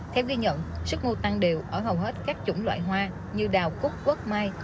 theo ghi nhận sức mua tăng đều ở hầu hết các chủng loại hoa như đào cúc quất mai